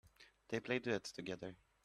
They play duets together.